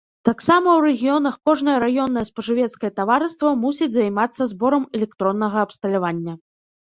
Таксама ў рэгіёнах кожнае раённае спажывецкае таварыства мусіць займацца зборам электроннага абсталявання.